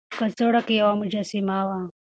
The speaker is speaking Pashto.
په کڅوړه کې يوه مجسمه وه.